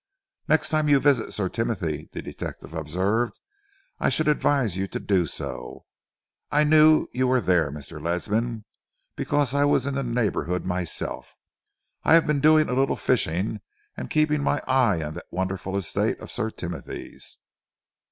"Next time you visit Sir Timothy," the detective observed, "I should advise you to do so. I knew you were there, Mr. Ledsam, because I was in the neighbourhood myself. I have been doing a little fishing, and keeping my eye on that wonderful estate of Sir Timothy's."